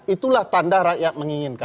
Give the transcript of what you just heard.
itulah tanda rakyat menginginkan